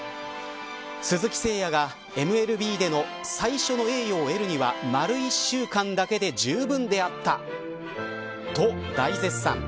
鈴木誠也が、ＭＬＢでの最初の栄誉を得るには丸１週間だけでじゅうぶんであったと大絶賛。